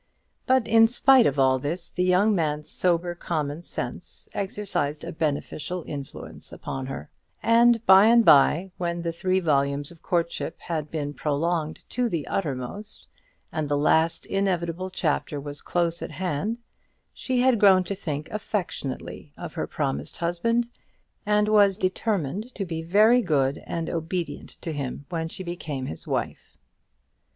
But in spite of all this the young man's sober common sense exercised a beneficial influence upon her; and by and by, when the three volumes of courtship had been prolonged to the uttermost, and the last inevitable chapter was close at hand, she had grown to think affectionately of her promised husband, and was determined to be very good and obedient to him when she became his wife.